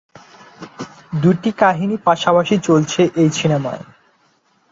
দুটি কাহিনী পাশাপাশি চলেছে এই সিনেমায়।